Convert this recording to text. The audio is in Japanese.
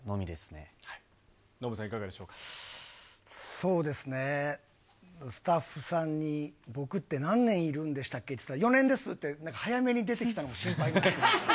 そうですね、スタッフさんに僕って何年いるんでしたっけって言ったら、４年ですって、早めに出てきたんで心配です。